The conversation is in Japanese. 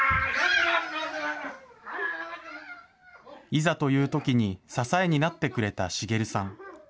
いざというときに、支えになってくれた滋さん。